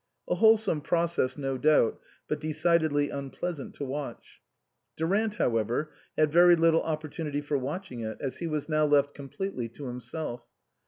A wholesome process no doubt, but decidedly unpleasant to watch. Durant, however, had very little opportunity for watching it, as he was now left completely to himself.